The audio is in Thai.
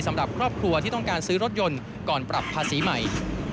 สำหรับครอบครัวที่ต้องการซื้อรถยนต์ก่อนปรับภาษีใหม่